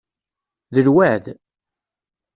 D lweεd.